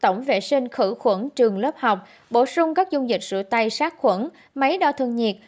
tổng vệ sinh khử khuẩn trường lớp học bổ sung các dung dịch rửa tay sát khuẩn máy đo thân nhiệt